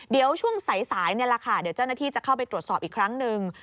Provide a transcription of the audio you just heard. เดี๋ยวช่วงสายนี่แหละค่ะเดี๋ยวเจ้าหน้าที่จะเข้าไปตรวจสอบอีกครั้งหนึ่ง